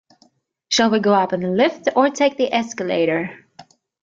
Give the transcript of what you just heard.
Shall we go up in the lift, or take the escalator?